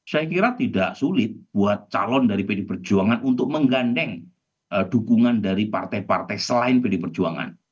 saya kira tidak sulit buat calon dari pd perjuangan untuk menggandeng dukungan dari partai partai selain pd perjuangan